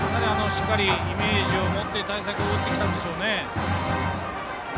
しっかりイメージを持って対策を打ってきたんでしょうね。